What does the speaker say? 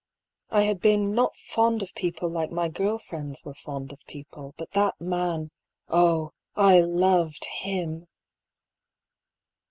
I had been not fond of people like my girl friends were fond of people ; but that man, oh ! I loved him